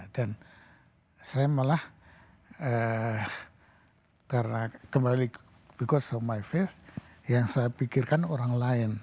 dan saya malah karena kembali karena percayaanku yang saya pikirkan orang lain